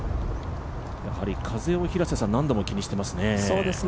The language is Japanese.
やはり風を何度も気にしていますね。